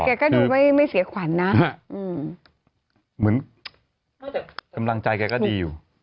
แกก็ดูไม่เสียขวัญนะเหมือนกำลังใจแกก็ดีอยู่